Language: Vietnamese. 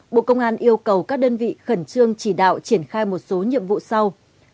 bộ công an yêu cầu các đơn vị khẩn trương chỉ đạo triển khai một số nhiệm vụ sau